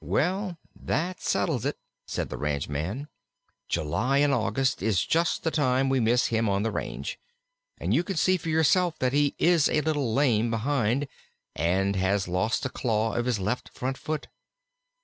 "Well, that settles it," said the ranchman; "July and August is just the time we miss him on the range; and you can see for yourself that he is a little lame behind and has lost a claw of his left front foot.